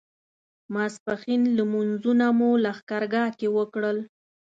ماسپښین لمونځونه مو لښکرګاه کې وکړل.